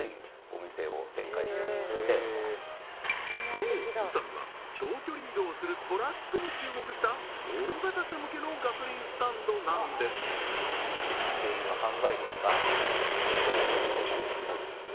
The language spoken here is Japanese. そう宇佐美は長距離移動をするトラックに注目した大型車向けのガソリンスタンドなんですところで普通